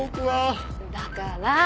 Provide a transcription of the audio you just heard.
だから！